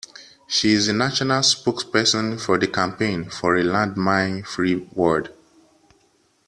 She is the national spokesperson for the Campaign for a Landmine-Free World.